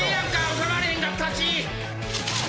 収まれへんかったし！